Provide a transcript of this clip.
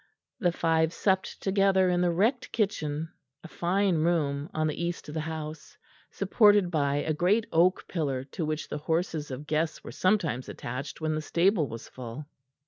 The five supped together in the wrecked kitchen, a fine room on the east of the house, supported by a great oak pillar to which the horses of guests were sometimes attached when the stable was full.